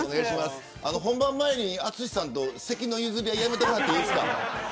本番前に淳さんと席の譲り合いやめてもらっていいですか。